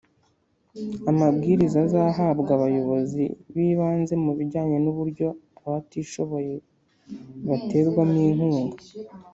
amabwiriza azahabwa abayobozi b'ibanze mu bijyanye n'uburyo abatishoboye baterwamo inkunga.